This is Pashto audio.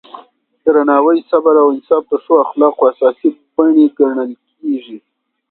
درناوی، صبر او انصاف د ښو اخلاقو اساسي بڼې ګڼل کېږي.